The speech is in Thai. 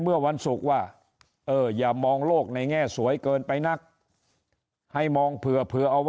เมื่อวันศุกร์ว่าเอออย่ามองโลกในแง่สวยเกินไปนักให้มองเผื่อเอาไว้